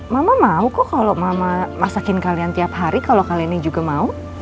mama mau kok kalau mama masakin kalian tiap hari kalau kalian yang juga mau